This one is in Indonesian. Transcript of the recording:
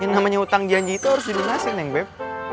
yang namanya utang janji itu harus diberi nasi neng beb